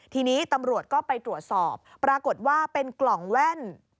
ทีนี้ตำรวจก็ไปตรวจสอบปรากฏว่าเป็นกล่องแว่น